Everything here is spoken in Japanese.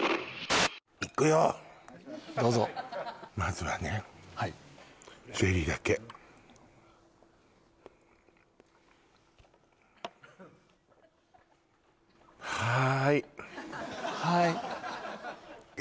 どうぞまずはねはいゼリーだけはい？